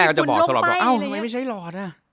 คุณแม่ก็จะบอกสลบเอ้าทำไมไม่ใช่หลอด